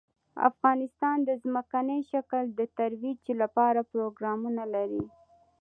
افغانستان د ځمکنی شکل د ترویج لپاره پروګرامونه لري.